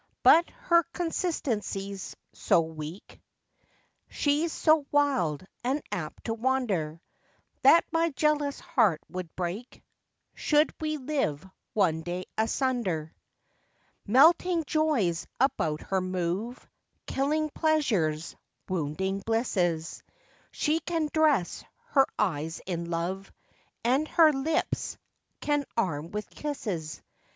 But her constancy's so weak, She's so wild and apt to wander; That my jealous heart would break Should we live one day asunder. Melting joys about her move, Killing pleasures, wounding blisses; She can dress her eyes in love, And her lips can arm with kisses.